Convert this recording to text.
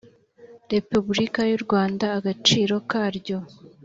repubulika y u rwanda agaciro karyo